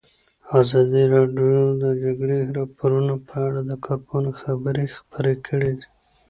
ازادي راډیو د د جګړې راپورونه په اړه د کارپوهانو خبرې خپرې کړي.